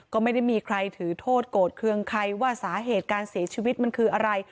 ก็ไม่ได้มีใครถือโทษโกรธเครื่องใครว่าสาเหตุการเสียชีวิตมันคืออะไร